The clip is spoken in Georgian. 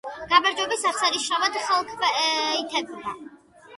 გამარჯვების აღსანიშნავად ხელქვეითებმა